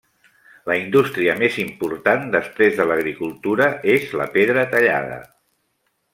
La indústria més important després de l'agricultura és la pedra tallada.